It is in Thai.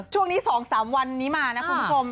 ช่วงนี้๒๓วันนี้มานะคุณผู้ชม